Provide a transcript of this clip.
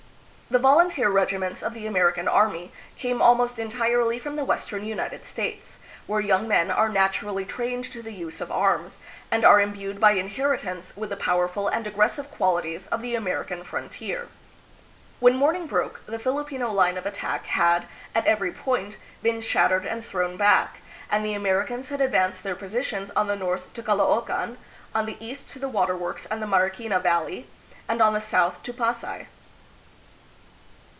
The volunteer regiments of the American army came almost entirely from the western United States, where young men are naturally trained to the use of arms, and are imbued by inheritance 'with the powerful and aggres sive qualities of the American frontier. When morning broke, the Filipino line of attack had, at every point, been shattered and thrown back, and the Americans had advanced their positions on the north to Caloocan, on the east to the Water Works and the Mariquina Valley, and on the south to Pasay.